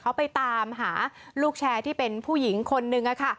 เขาไปตามหาลูกแชร์ที่เป็นผู้หญิงคนนึงค่ะ